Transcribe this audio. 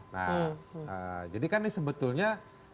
nah jadikan ini sebetulnya